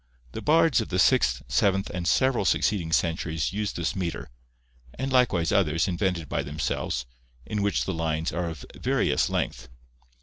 The bards of the sixth, seventh, and several succeeding centuries used this metre, and likewise others, invented by themselves, in which the lines are of various length.